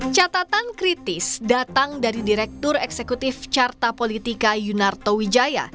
catatan kritis datang dari direktur eksekutif carta politika yunarto wijaya